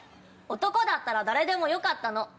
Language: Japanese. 男だったら誰でもよかったの。